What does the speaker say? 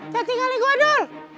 jangan tinggalin gua dul